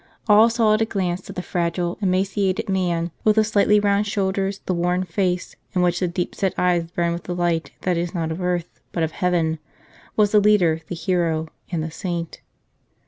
All saw at a glance that the fragile, emaciated man, with the slightly round shoulders, the worn face, in which the deep set eyes burned with the light that is not of earth, but of heaven, was the leader, the hero, and the saint.